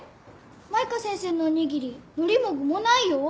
舞香先生のおにぎり海苔も具もないよ。